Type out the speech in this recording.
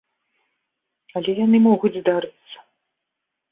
Але яны могуць здарыцца.